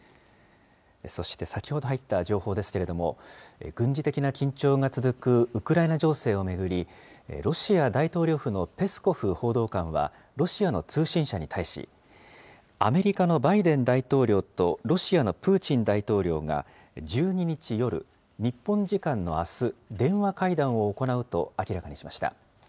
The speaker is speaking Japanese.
そして先ほど入った情報ですけれども、軍事的な緊張が続くウクライナ情勢を巡り、ロシア大統領府のペスコフ報道官は、ロシアの通信社に対し、アメリカのバイデン大統領とロシアのプーチン大統領が、１２日夜、日本時間のあす、電話会談を行うと明らかにしました。